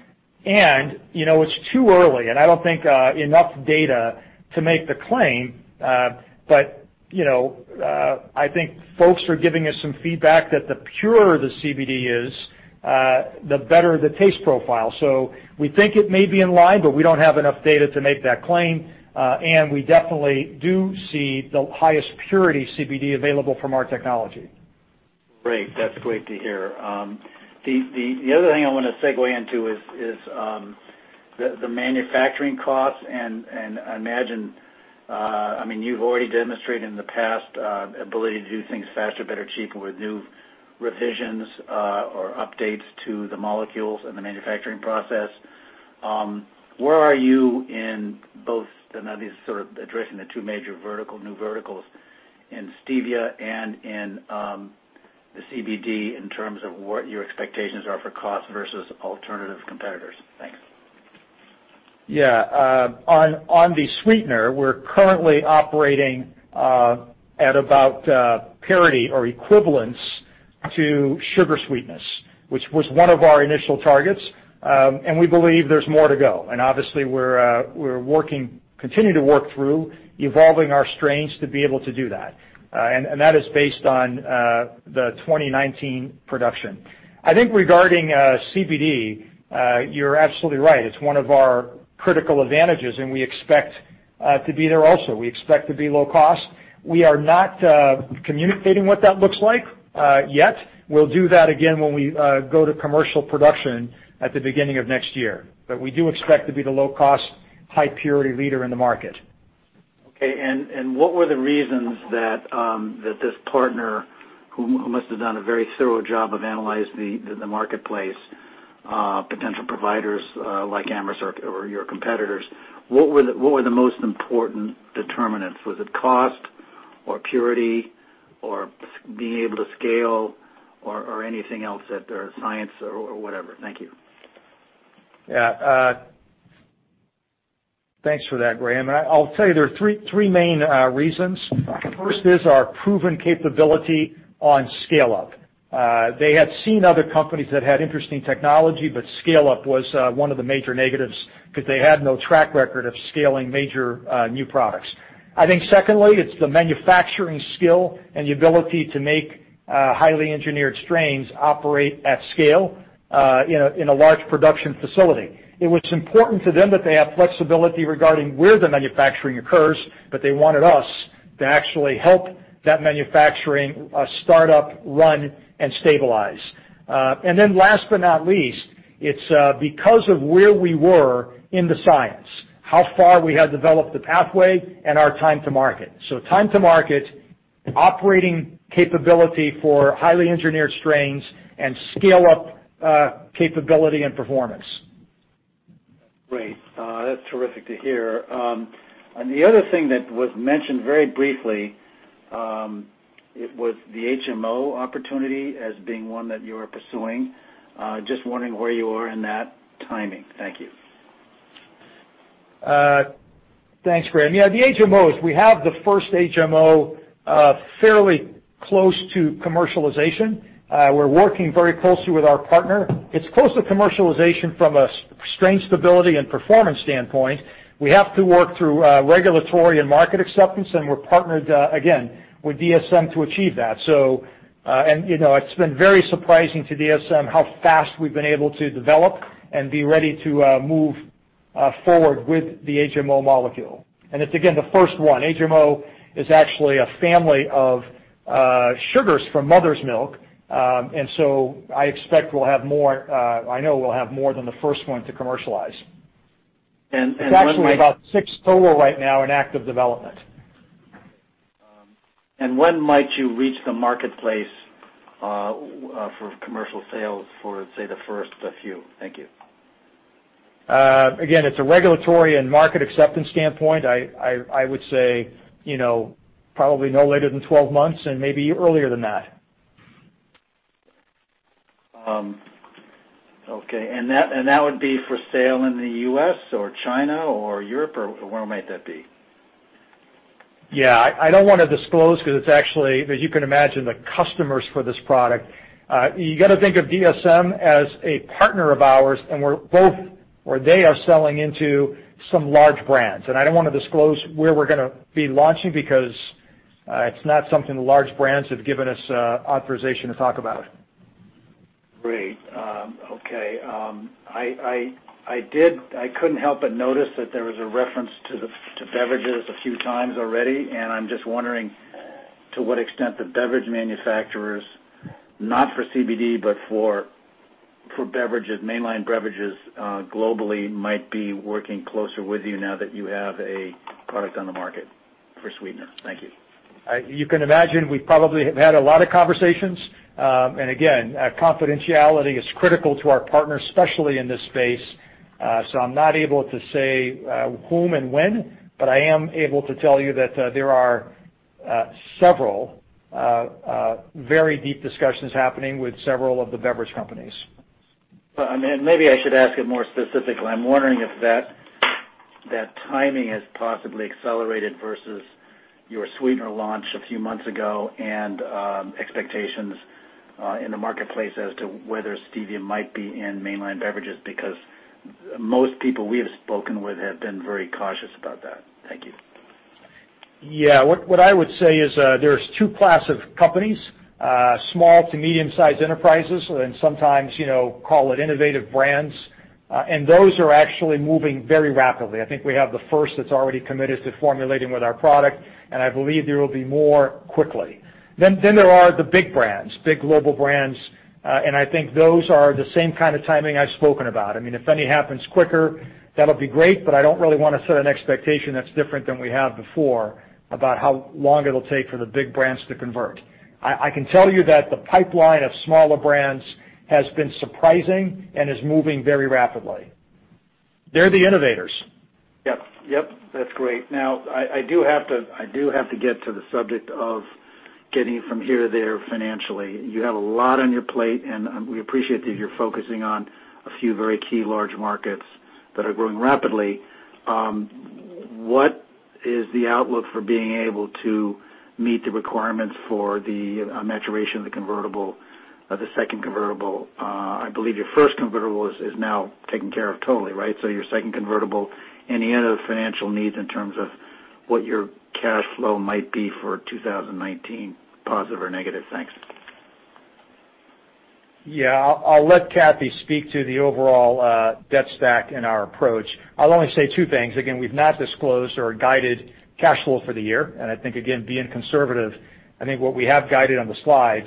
it's too early, and I don't think enough data to make the claim, but I think folks are giving us some feedback that the purer the CBD is, the better the taste profile. So we think it may be in line, but we don't have enough data to make that claim. And we definitely do see the highest purity CBD available from our technology. Great. That's great to hear. The other thing I want to segue into is the manufacturing costs. And I imagine, I mean, you've already demonstrated in the past ability to do things faster, better, cheaper with new revisions or updates to the molecules and the manufacturing process. Where are you in both, and now this is sort of addressing the two major vertical, new verticals in Stevia and in the CBD in terms of what your expectations are for cost versus alternative competitors? Thanks. Yeah. On the sweetener, we're currently operating at about parity or equivalence to sugar sweetness, which was one of our initial targets. And we believe there's more to go. And obviously, we're continuing to work through evolving our strains to be able to do that. And that is based on the 2019 production. I think regarding CBD, you're absolutely right. It's one of our critical advantages, and we expect to be there also. We expect to be low cost. We are not communicating what that looks like yet. We'll do that again when we go to commercial production at the beginning of next year. But we do expect to be the low-cost, high-purity leader in the market. Okay. And what were the reasons that this partner, who must have done a very thorough job of analyzing the marketplace, potential providers like Amyris or your competitors, what were the most important determinants? Was it cost or purity or being able to scale or anything else that the science or whatever? Thank you. Yeah. Thanks for that, Graham. And I'll tell you there are three main reasons. First is our proven capability on scale-up. They had seen other companies that had interesting technology, but scale-up was one of the major negatives because they had no track record of scaling major new products. I think secondly, it's the manufacturing skill and the ability to make highly engineered strains operate at scale in a large production facility. It was important to them that they have flexibility regarding where the manufacturing occurs, but they wanted us to actually help that manufacturing start-up, run, and stabilize. And then last but not least, it's because of where we were in the science, how far we had developed the pathway, and our time to market. So time to market, operating capability for highly engineered strains, and scale-up capability and performance. Great. That's terrific to hear. And the other thing that was mentioned very briefly, it was the HMO opportunity as being one that you were pursuing. Just wondering where you are in that timing. Thank you. Thanks, Graham. Yeah. The HMOs, we have the first HMO fairly close to commercialization. We're working very closely with our partner. It's close to commercialization from a strain stability and performance standpoint. We have to work through regulatory and market acceptance, and we're partnered, again, with DSM to achieve that. And it's been very surprising to DSM how fast we've been able to develop and be ready to move forward with the HMO molecule. And it's, again, the first one. HMO is actually a family of sugars from mother's milk. And so I expect we'll have more, I know we'll have more than the first one to commercialize. And that's when we're about six total right now in active development. And when might you reach the marketplace for commercial sales for, say, the first few? Thank you. Again, it's a regulatory and market acceptance standpoint. I would say probably no later than 12 months and maybe earlier than that. Okay. And that would be for sale in the U.S. or China or Europe or where might that be? Yeah. I don't want to disclose because it's actually, as you can imagine, the customers for this product. You got to think of DSM as a partner of ours, and we're both—or they are selling into some large brands. And I don't want to disclose where we're going to be launching because it's not something the large brands have given us authorization to talk about. Great. Okay. I couldn't help but notice that there was a reference to beverages a few times already. I'm just wondering to what extent the beverage manufacturers, not for CBD but for mainline beverages globally, might be working closer with you now that you have a product on the market for sweetener. Thank you. You can imagine we probably have had a lot of conversations. Again, confidentiality is critical to our partners, especially in this space. So I'm not able to say whom and when, but I am able to tell you that there are several very deep discussions happening with several of the beverage companies. Maybe I should ask it more specifically. I'm wondering if that timing has possibly accelerated versus your sweetener launch a few months ago and expectations in the marketplace as to whether Stevia might be in mainline beverages because most people we have spoken with have been very cautious about that. Thank you. Yeah. What I would say is there's two classes of companies, small to medium-sized enterprises, and sometimes call it innovative brands. And those are actually moving very rapidly. I think we have the first that's already committed to formulating with our product, and I believe there will be more quickly. Then there are the big brands, big global brands. And I think those are the same kind of timing I've spoken about. I mean, if any happens quicker, that'll be great, but I don't really want to set an expectation that's different than we have before about how long it'll take for the big brands to convert. I can tell you that the pipeline of smaller brands has been surprising and is moving very rapidly. They're the innovators. Yep. Yep. That's great. Now, I do have to get to the subject of getting from here to there financially. You have a lot on your plate, and we appreciate that you're focusing on a few very key large markets that are growing rapidly. What is the outlook for being able to meet the requirements for the maturity of the second convertible? I believe your first convertible is now taken care of totally, right? So your second convertible, any other financial needs in terms of what your cash flow might be for 2019, positive or negative? Thanks. Yeah. I'll let Kathleen speak to the overall debt stack and our approach. I'll only say two things. Again, we've not disclosed or guided cash flow for the year. And I think, again, being conservative, I think what we have guided on the slides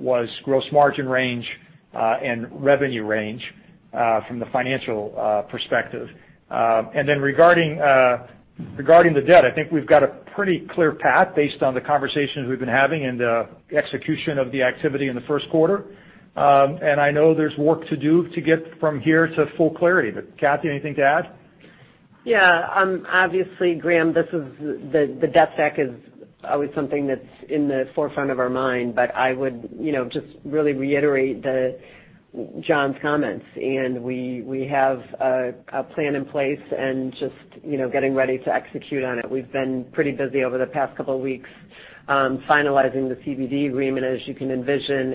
was gross margin range and revenue range from the financial perspective. And then regarding the debt, I think we've got a pretty clear path based on the conversations we've been having and the execution of the activity in the first quarter. And I know there's work to do to get from here to full clarity. But Kathleen, anything to add? Yeah. Obviously, Graham, the debt stack is always something that's in the forefront of our mind, but I would just really reiterate John's comments. And we have a plan in place and just getting ready to execute on it. We've been pretty busy over the past couple of weeks finalizing the CBD agreement, as you can envision.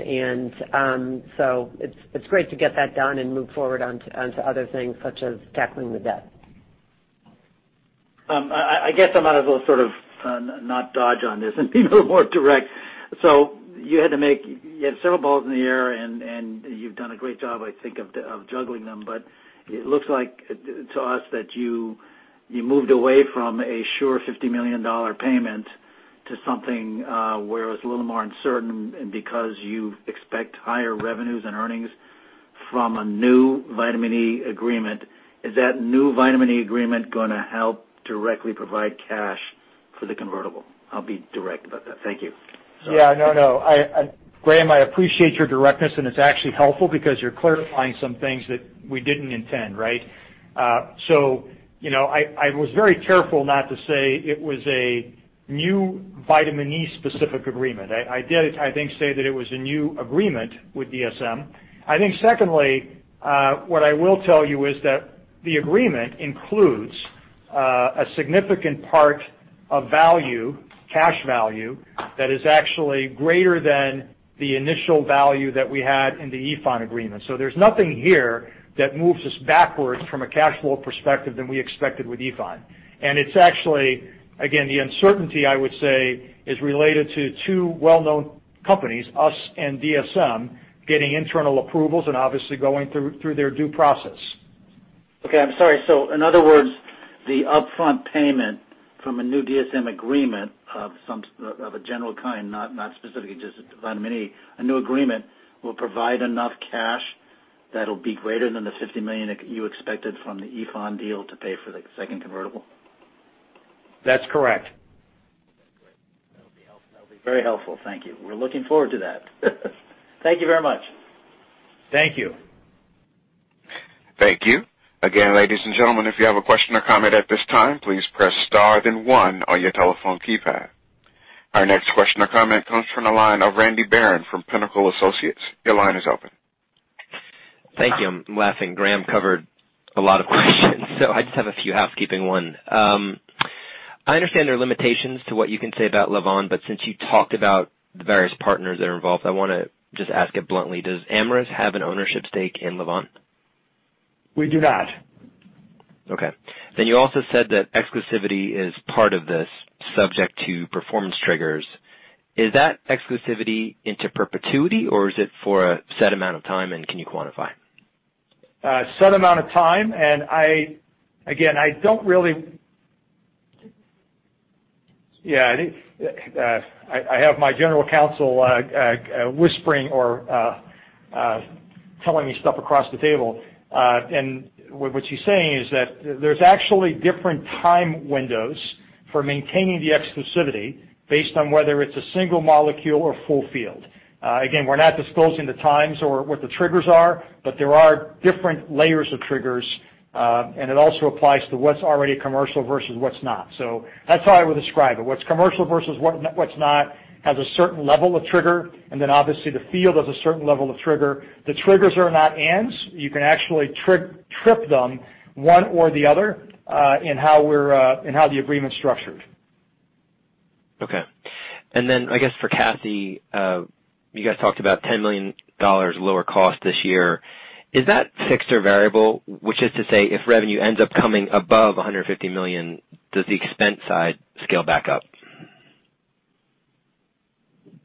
And so it's great to get that done and move forward onto other things such as tackling the debt. I guess I'm not a little sort of not dodge on this and be a little more direct. So you had to, you have several balls in the air, and you've done a great job, I think, of juggling them. But it looks like to us that you moved away from a sure $50 million payment to something where it was a little more uncertain because you expect higher revenues and earnings from a new Vitamin E agreement. Is that new Vitamin E agreement going to help directly provide cash for the convertible? I'll be direct about that. Thank you. Yeah. No, no. Graham, I appreciate your directness, and it's actually helpful because you're clarifying some things that we didn't intend, right? So I was very careful not to say it was a new Vitamin E-specific agreement. I did, I think, say that it was a new agreement with DSM. I think, secondly, what I will tell you is that the agreement includes a significant part of cash value that is actually greater than the initial value that we had in the EFIN agreement. So there's nothing here that moves us backwards from a cash flow perspective than we expected with EFIN. And it's actually, again, the uncertainty, I would say, is related to two well-known companies, us and DSM, getting internal approvals and obviously going through their due process. Okay. I'm sorry. So in other words, the upfront payment from a new DSM agreement of a general kind, not specifically just vitamin E, a new agreement will provide enough cash that'll be greater than the $50 million you expected from the EFIN deal to pay for the second convertible? That's correct. That'll be helpful. That'll be very helpful. Thank you. We're looking forward to that. Thank you very much. Thank you. Thank you. Again, ladies and gentlemen, if you have a question or comment at this time, please press star then one on your telephone keypad. Our next question or comment comes from the line of Randy Baron from Pinnacle Associates. Your line is open. Thank you. I'm laughing. Graham covered a lot of questions. So I just have a few housekeeping ones. I understand there are limitations to what you can say about Lavvan, but since you talked about the various partners that are involved, I want to just ask it bluntly. Does Amyris have an ownership stake in Lavvan? We do not. Okay. Then you also said that exclusivity is part of this subject to performance triggers. Is that exclusivity into perpetuity, or is it for a set amount of time, and can you quantify? Set amount of time. And again, I don't really, yeah. I have my general counsel whispering or telling me stuff across the table. And what she's saying is that there's actually different time windows for maintaining the exclusivity based on whether it's a single molecule or full field. Again, we're not disclosing the times or what the triggers are, but there are different layers of triggers, and it also applies to what's already commercial versus what's not. So that's how I would describe it. What's commercial versus what's not has a certain level of trigger, and then obviously the field has a certain level of trigger. The triggers are not ends. You can actually trip them one or the other in how the agreement's structured. Okay. And then I guess for Kathleen, you guys talked about $10 million lower cost this year. Is that fixed or variable, which is to say if revenue ends up coming above $150 million, does the expense side scale back up?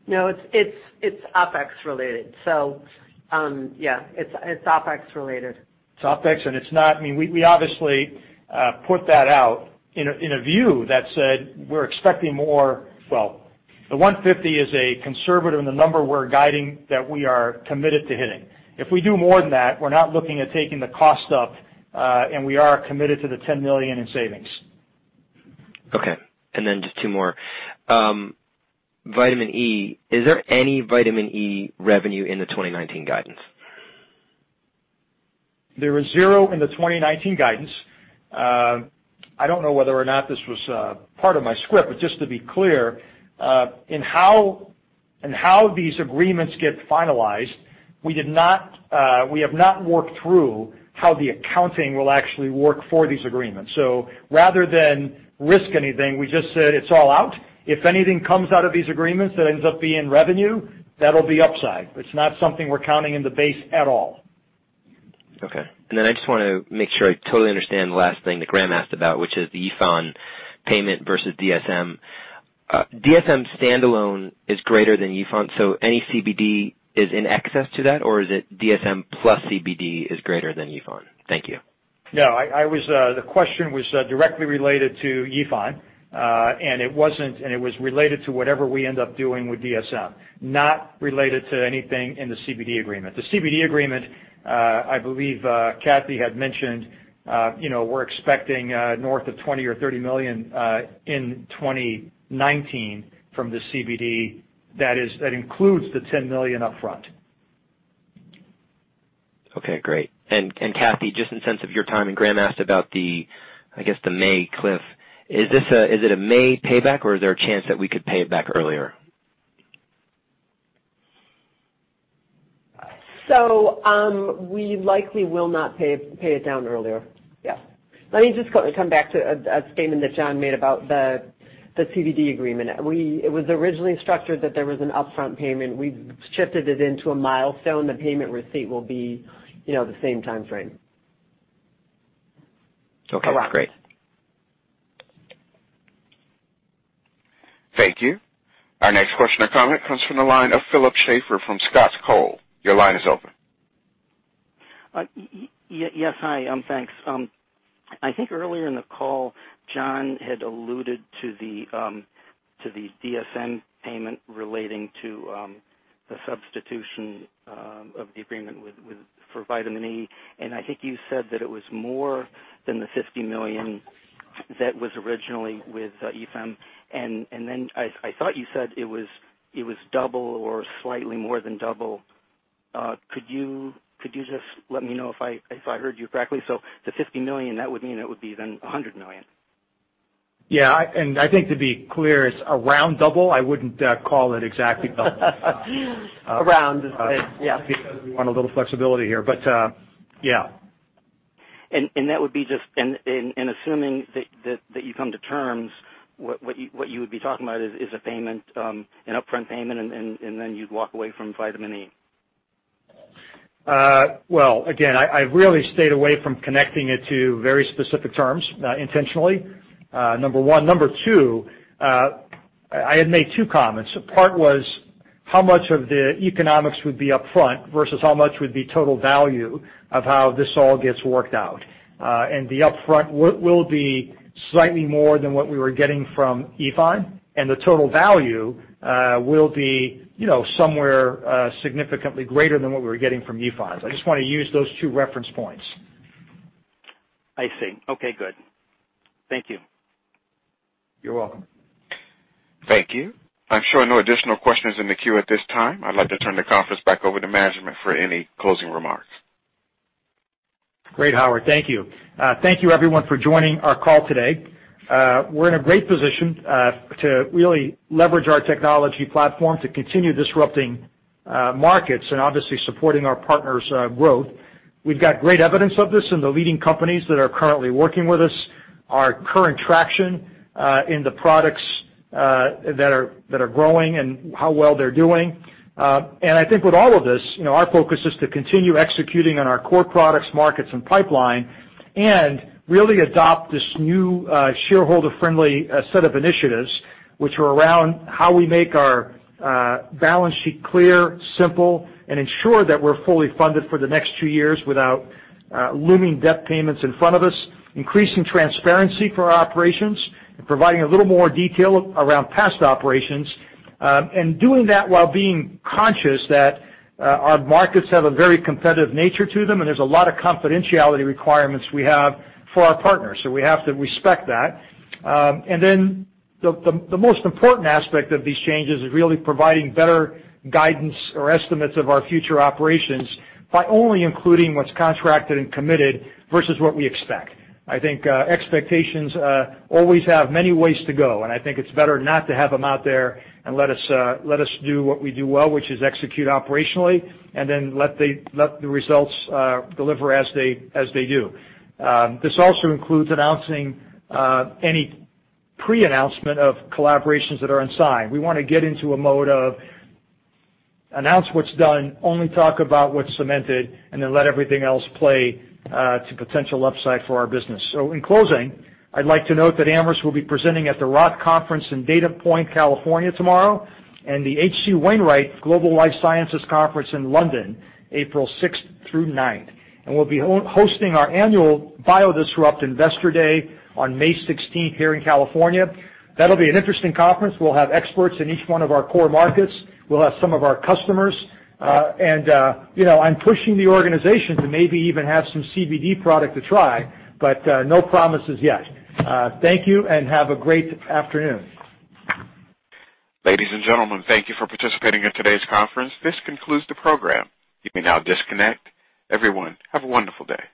No, it's OpEx-related. So yeah, it's OpEx-related. It's OpEx, and it's not—I mean, we obviously put that out in a view that said we're expecting more—well, the $150 is a conservative and the number we're guiding that we are committed to hitting. If we do more than that, we're not looking at taking the cost up, and we are committed to the $10 million in savings. Okay. And then just two more. Vitamin E, is there any vitamin E revenue in the 2019 guidance? There was zero in the 2019 guidance. I don't know whether or not this was part of my script, but just to be clear, in how these agreements get finalized, we have not worked through how the accounting will actually work for these agreements. So rather than risk anything, we just said it's all out. If anything comes out of these agreements that ends up being revenue, that'll be upside. It's not something we're counting in the base at all. Okay. And then I just want to make sure I totally understand the last thing that Graham asked about, which is the EFIN payment versus DSM. DSM standalone is greater than EFIN. So any CBD is in excess to that, or is it DSM plus CBD is greater than EFIN? Thank you. No, the question was directly related to EFIN, and it was related to whatever we end up doing with DSM, not related to anything in the CBD agreement. The CBD agreement, I believe Kathy had mentioned, we're expecting north of $20-$30 million in 2019 from the CBD that includes the $10 million upfront. Okay. Great. And Kathleen, just in sense of your time, and Graham asked about, I guess, the May cliff, is it a May payback, or is there a chance that we could pay it back earlier? So we likely will not pay it down earlier. Yeah. Let me just come back to a statement that John made about the CBD agreement. It was originally structured that there was an upfront payment. We've shifted it into a milestone. The payment receipt will be the same timeframe. Okay. Great. Thank you. Our next question or comment comes from the line of Philip Schaeffer from Scott's Cove Management. Your line is open. Yes. Hi. Thanks. I think earlier in the call, John had alluded to the DSM payment relating to the substitution of the agreement for vitamin E. And I think you said that it was more than the $50 million that was originally with EFIN. And then I thought you said it was double or slightly more than double. Could you just let me know if I heard you correctly? So the $50 million, that would mean it would be then $100 million. Yeah. And I think to be clear, it's around double. I wouldn't call it exactly double. Around. Yeah. Because we want a little flexibility here. But yeah. That would be just, and assuming that you come to terms, what you would be talking about is an upfront payment, and then you'd walk away from Vitamin E. Well, again, I really stayed away from connecting it to very specific terms intentionally, number one. Number two, I had made two comments. Part was how much of the economics would be upfront versus how much would be total value of how this all gets worked out. And the upfront will be slightly more than what we were getting from EFIN, and the total value will be somewhere significantly greater than what we were getting from EFIN. So I just want to use those two reference points. I see. Okay. Good. Thank you. You're welcome. Thank you. I'm sure no additional questions in the queue at this time. I'd like to turn the conference back over to management for any closing remarks. Great, Howard. Thank you. Thank you, everyone, for joining our call today. We're in a great position to really leverage our technology platform to continue disrupting markets and obviously supporting our partners' growth. We've got great evidence of this, and the leading companies that are currently working with us are current traction in the products that are growing and how well they're doing. I think with all of this, our focus is to continue executing on our core products, markets, and pipeline, and really adopt this new shareholder-friendly set of initiatives, which are around how we make our balance sheet clear, simple, and ensure that we're fully funded for the next two years without looming debt payments in front of us, increasing transparency for our operations, and providing a little more detail around past operations, and doing that while being conscious that our markets have a very competitive nature to them, and there's a lot of confidentiality requirements we have for our partners. We have to respect that. The most important aspect of these changes is really providing better guidance or estimates of our future operations by only including what's contracted and committed versus what we expect. I think expectations always have many ways to go, and I think it's better not to have them out there and let us do what we do well, which is execute operationally, and then let the results deliver as they do. This also includes announcing any pre-announcement of collaborations that are unsigned. We want to get into a mode of announce what's done, only talk about what's cemented, and then let everything else play to potential upside for our business. So in closing, I'd like to note that Amyris will be presenting at the Roth Conference in Dana Point, California tomorrow, and the H.C. Wainwright Global Life Sciences Conference in London, April 6th through 9th. We'll be hosting our annual BioDisrupt Investor Day on May 16th here in California. That'll be an interesting conference. We'll have experts in each one of our core markets. We'll have some of our customers, and I'm pushing the organization to maybe even have some CBD product to try, but no promises yet. Thank you, and have a great afternoon. Ladies and gentlemen, thank you for participating in today's conference. This concludes the program. You may now disconnect. Everyone, have a wonderful day.